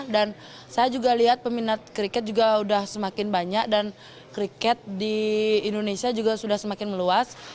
dan saya juga lihat peminat kriket juga sudah semakin banyak dan kriket di indonesia juga sudah semakin meluas